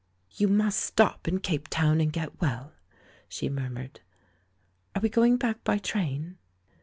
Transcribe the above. "You must stop in Cape Town and get well," she murmured. ... "Are we going back by train?"